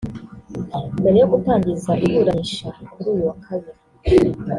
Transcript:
Mbere yo gutangiza iburanisha kuri uyu wa kabiri